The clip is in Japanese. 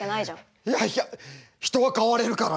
いやいや人は変われるからね。